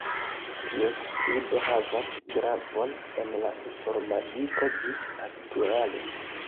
Ties studo havas gravon en la informadiko ĝis aktuale.